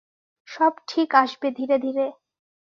সব ঠিক আসবে ধীরে ধীরে।